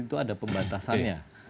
itu ada pembatasannya